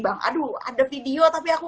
bang aduh ada video tapi aku